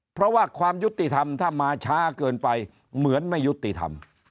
เพราะว่าความยุติธรรมถ้ามาช้าเกินไปเหมือนไม่ยุติธรรม